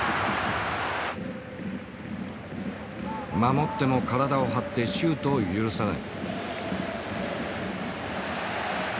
守っても体を張ってシュートを許さない。